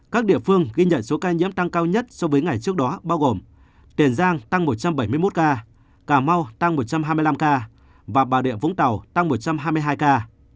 các địa phương ghi nhận số ca nhiễm tăng cao nhất so với ngày trước đó bao gồm tiền giang tăng một trăm bảy mươi một ca cà mau tăng một trăm hai mươi năm ca và bà rịa vũng tàu tăng một trăm hai mươi hai ca